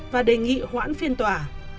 và đề nghị hoãn phiên tòa